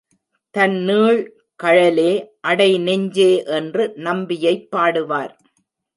தன் நீள்கழலே அடை நெஞ்சே என்று நம்பியைப் பாடுவார்.